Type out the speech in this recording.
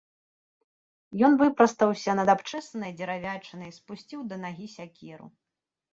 Ён выпрастаўся над абчэсанай дзеравячынай, спусціў да нагі сякеру.